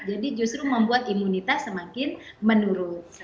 jadi justru membuat imunitas semakin menurun